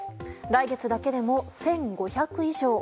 来月だけでも１５００以上。